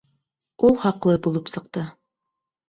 Ул хаҡлы булып сыҡты.